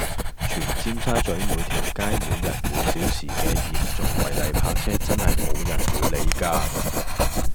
全尖沙咀每條街每日每小時嘅嚴重違例泊車真係冇人會理㗎￼